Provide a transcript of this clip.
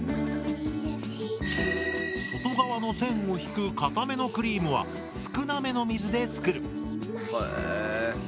外側の線をひく固めのクリームは少なめの水で作る。